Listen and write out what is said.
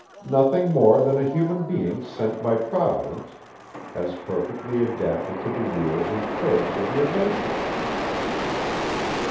Nothing more than a human being sent by Providence as perfectly adapted to the wheels and curves of your nature."